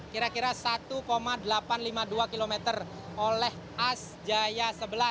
kira kira satu delapan ratus lima puluh dua km oleh as jaya sebelas